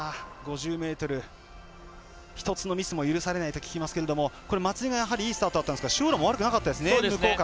５０ｍ、１つのミスも許されないと聞きますが松井がいいスタートだったんですが塩浦も悪くなかったですね。